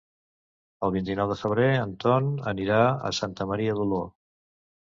El vint-i-nou de febrer en Ton anirà a Santa Maria d'Oló.